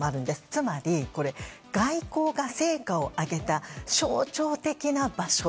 つまり、外交が成果を上げた象徴的な場所。